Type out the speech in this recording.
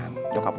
gua mau makanan